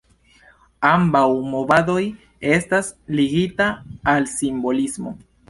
Ambaŭ movadoj estas ligita al simbolismo.